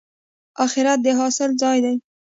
اخرت د حاصل ځای دی